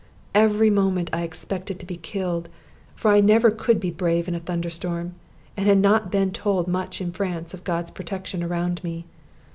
Every moment I expected to be killed, for I never could be brave in a thunder storm, and had not been told much in France of God's protection around me.